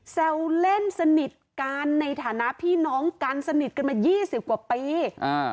แซวเล่นสนิทกันในฐานะพี่น้องกันสนิทกันมายี่สิบกว่าปีอ่า